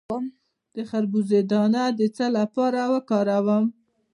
د خربوزې دانه د څه لپاره وکاروم؟